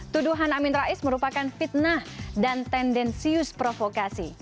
tuduhan amin rais merupakan fitnah dan tendensius provokasi